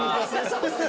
そう。